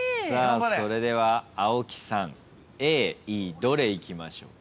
それでは青木さんＡＥどれいきましょう。